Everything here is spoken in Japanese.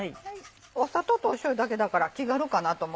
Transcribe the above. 砂糖としょうゆだけだから気軽かなと思って。